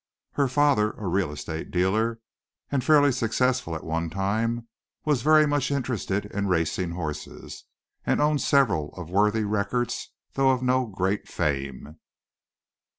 Her father, a real estate dealer, and fairly successful at one time, was very much interested in racing horses, and owned several of worthy records though of no great fame.